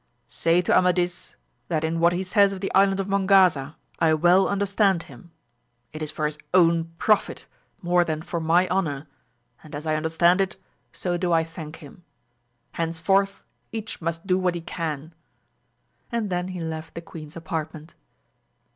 Say to Amadis that in what he says of the island of Mongaza I well under stand him, it is for his own profit more than for my honour, and as I understand itj so do I thank him ; henceforth each must do what he can. And then he left the queen's apartment.